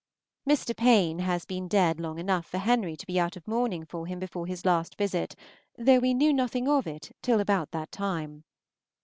Mr. Payne has been dead long enough for Henry to be out of mourning for him before his last visit, though we knew nothing of it till about that time.